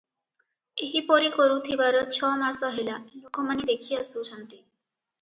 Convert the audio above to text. ଏହିପରି କରୁଥିବାର ଛମାସ ହେଲା ଲୋକମାନେ ଦେଖି ଆସୁଛନ୍ତି ।